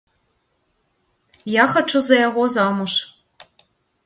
Я хачу за яго замуж.